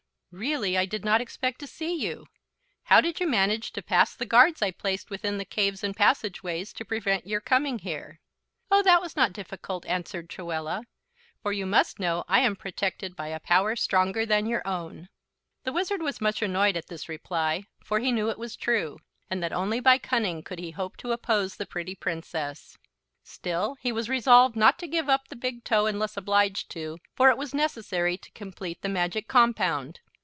Really, I did not expect to see you. How did you manage to pass the guards I placed within the caves and passageways to prevent your coming here?" "Oh, that was not difficult," answered Truella, "for you must know I am protected by a power stronger than your own." The Wizard was much annoyed at this reply, for he knew it was true, and that only by cunning could he hope to oppose the pretty Princess. Still, he was resolved not to give up the big toe unless obliged to, for it was necessary to complete the magic compound.